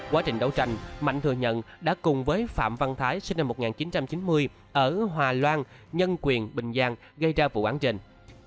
quá trình đấu tranh mạnh thừa nhận đã cùng với phạm văn thái sinh năm một nghìn chín trăm chín mươi ở hòa loan nhân quyền bình giang gây ra vụ án trên